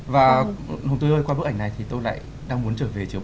và hồng tươi ơi qua bức ảnh này thì tôi lại đang muốn trở về chiều ba mươi tết